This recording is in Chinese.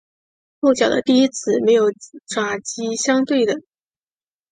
后脚的第一趾没有爪及相对的。